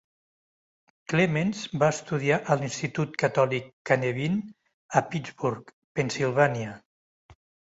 Clements va estudiar a l'Institut catòlic Canevin a Pittsburgh, Pennsilvània.